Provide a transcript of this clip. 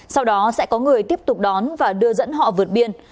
sau đó sẽ có người tiếp tục đón và đưa dẫn họ vượt biên